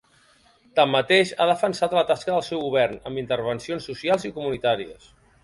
Tanmateix, ha defensat la tasca del seu govern amb intervencions socials i comunitàries.